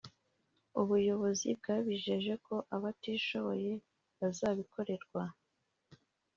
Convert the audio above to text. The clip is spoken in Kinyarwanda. ubuyobozi bwabijeje ko abatishoboye bazabikorerwa